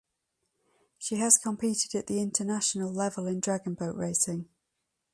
She has competed at the international level in dragon boat racing.